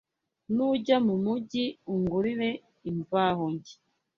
Nujya mu mugi ungurire Imvaho Nshya